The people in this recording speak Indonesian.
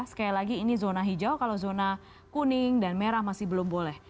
sekali lagi ini zona hijau kalau zona kuning dan merah masih belum boleh